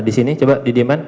nah disini coba didiemkan